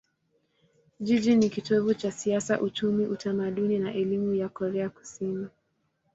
Jiji ni kitovu cha siasa, uchumi, utamaduni na elimu ya Korea Kusini.